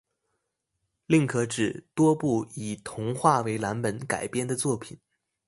另可指多部以童话为蓝本改编的作品